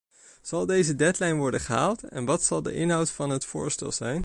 Zal deze deadline worden gehaald en wat zal de inhoud van het voorstel zijn?